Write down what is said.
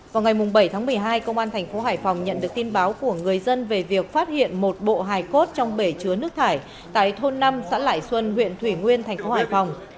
vào ngày bảy tháng một mươi hai công an thành phố hải phòng nhận được tin báo của người dân về việc phát hiện một bộ hài cốt trong bể chứa nước thải tại thôn năm sãn lại xuân huyện thủy nguyên thành phố hải phòng